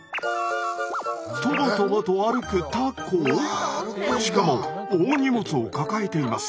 トボトボと歩くタコ⁉しかも大荷物を抱えています。